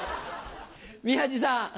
宮治さん。